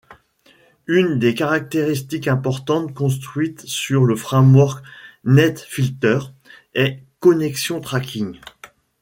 Une des caractéristiques importantes construites sur le framework Netfilter est Connection Tracking.